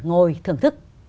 ngồi thưởng thức